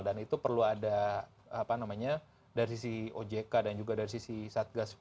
dan itu perlu ada apa namanya dari sisi ojk dan juga dari sisi satgas osman